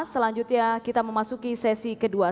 selanjutnya kita memasuki sesi kedua